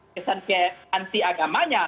biasanya anti agamanya